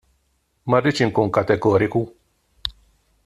Ma rridx inkun kategoriku.